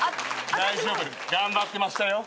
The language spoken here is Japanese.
大丈夫。頑張ってましたよ。